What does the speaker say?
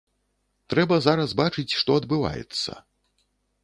Трэба зараз бачыць, што адбываецца.